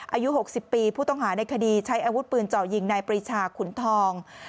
อายุ๖๐ปีผู้ต้องหาในคดีใช้อาวุธปืนเจาะยิงนายปริชาขุนทอง